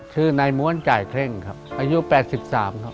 ชื่อนายม้วนจ่ายเคร่งครับอายุ๘๓ครับ